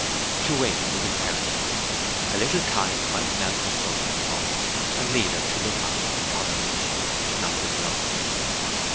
To wait was imperative. A little time might melt her frozen thoughts, and lead her to look on him with toleration, if not with love.